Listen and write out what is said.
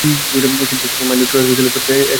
কিন্তু minus two এর কুশীলবরা এখনো বেঁচে আছেন।